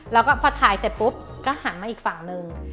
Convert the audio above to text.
แล้วก็พอถ่ายเสร็จปุ๊บก็หันมาอีกฝั่งหนึ่ง